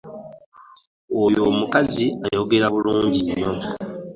Oyo omukazi ayogera bulungi nnyo.